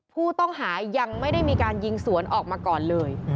ผู้ต้องหายังไม่ได้มีการยิงสวนออกมาก่อนเลย